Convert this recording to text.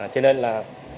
cho nên là